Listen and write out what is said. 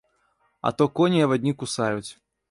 А то коней авадні кусаюць.